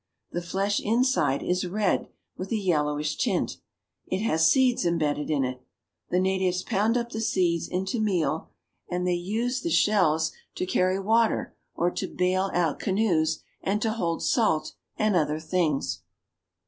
The flesh inside is red i yellowish tint. It has seeds imbedded in it. The latives pound up the seeds into meal, and they use the AFRICA r2I2 shells to carry water or to bale out canoi salt and other things.